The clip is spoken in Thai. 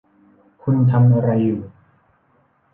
คุณทำอะไรอยู่